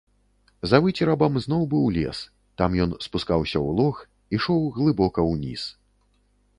За выцерабам зноў быў лес, там ён спускаўся ў лог, ішоў глыбока ўніз.